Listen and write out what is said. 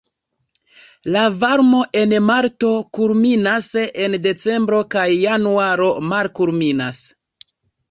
La varmo en marto kulminas, en decembro kaj januaro malkulminas.